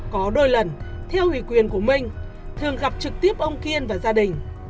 có đôi lần theo ủy quyền của minh thường gặp trực tiếp ông kiên và gia đình